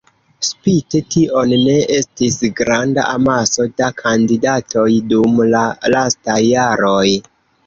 Spite tion ne estis granda amaso da kandidatoj dum la lastaj jaroj.